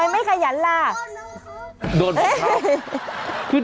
อุ๊ยจ้ะขยันโอ๊ยพ่อนี่